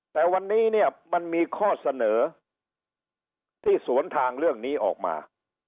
แต่วันนี้เนี่ยมันมีข้อเสนอที่สวนทางเรื่องนี้ออกมา